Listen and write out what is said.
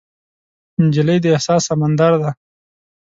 نجلۍ د احساس سمندر ده.